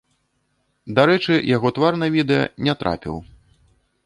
Дарэчы, яго твар на відэа не трапіў.